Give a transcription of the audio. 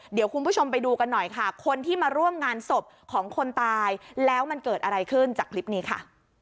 เดี๋ยวคุณผู้ชมไปดูกันหน่อยค่ะคนที่มาร่วมงานศพของคนตายแล้วมันเกิดอะไรขึ้นจากคลิปนี้ค่ะ